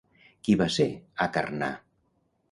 Qui va ser Acarnà?